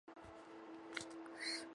毕业青年现场面试